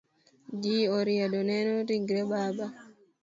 Ji oriedo neno ringre baba.